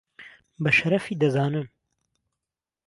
بە شەرەفی دەزانن